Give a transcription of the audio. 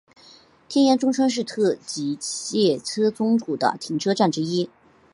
天盐中川是特急列车宗谷的停车站之一。